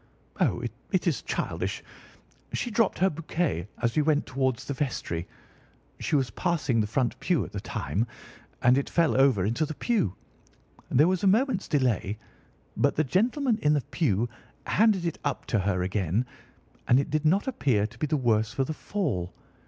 "Oh, it is childish. She dropped her bouquet as we went towards the vestry. She was passing the front pew at the time, and it fell over into the pew. There was a moment's delay, but the gentleman in the pew handed it up to her again, and it did not appear to be the worse for the fall.